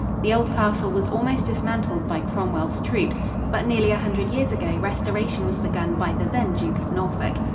The old castle was almost dismantled by Cromwell's troops, but nearly a hundred years ago restoration was begun by the then Duke of Norfolk.